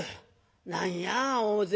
何や大勢で」。